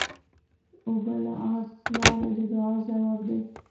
اوبه له اسمانه د دعا ځواب دی.